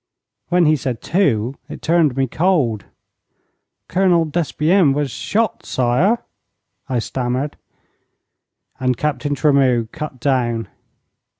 When he said 'two' it turned me cold. 'Colonel Despienne was shot, sire,' I stammered. 'And Captain Tremeau cut down.